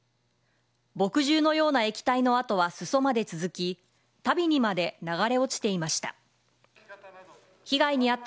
墨汁のような液体の跡は裾まで続き、足袋にまで流れ落ちていました。